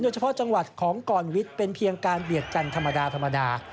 โดยเฉพาะจังหวัดของกรวิทย์เป็นเพียงการเบียดกันธรรมดา